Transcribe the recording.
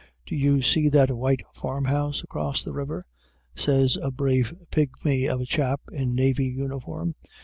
"Do you see that white farm house, across the river?" says a brave pigmy of a chap in navy uniform.